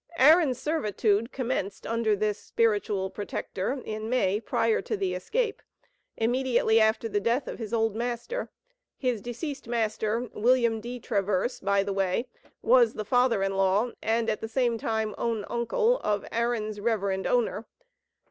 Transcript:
Aaron's servitude commenced under this spiritual protector in May prior to the escape, immediately after the death of his old master. His deceased master, William D. Traverse, by the way, was the father in law, and at the same time own uncle of Aaron's reverend owner.